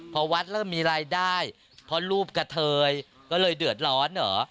พอวัดเริ่มมีรายได้เพราะรูปกระเทยก็เลยเดือดร้อนเหรอ